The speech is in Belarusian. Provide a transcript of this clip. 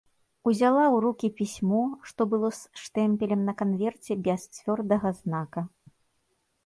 Узяла ў рукі пісьмо, што было з штэмпелем на канверце без цвёрдага знака.